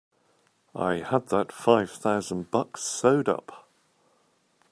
I had that five thousand bucks sewed up!